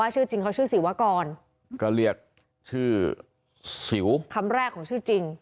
ว่าชื่อจริงชื่อสิวก้อนก็เรียกชื่อสิวคัมแรกของชื่อจริง